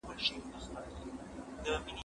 زه به سبا د سبا لپاره د يادښتونه ترتيب کړم